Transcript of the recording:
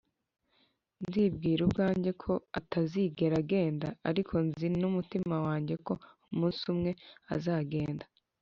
ndibwira ubwanjye ko atazigera agenda, ariko, nzi mumutima wanjye ko umunsi umwe azagenda.